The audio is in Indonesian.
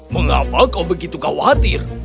mengapa kau begitu khawatir